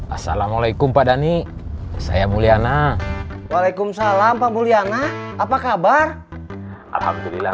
assalamualaikum pak dhani saya mulyana waalaikumsalam pak mulyana apa kabar alhamdulillah